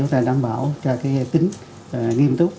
thì chúng ta đảm bảo cho cái tính nghiêm túc